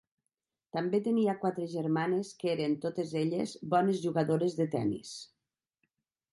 També tenia quatre germanes que eren, totes elles, bones jugadores de tennis.